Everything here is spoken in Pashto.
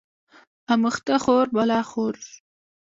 اموخته خور بلا خور